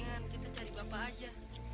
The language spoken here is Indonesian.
mendingan kita cari bapak saja